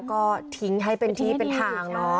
ก็ทิ้งให้เป็นที่เป็นทางเนาะ